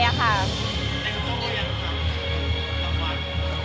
แต่คุณกบมาเยอะหรือคะ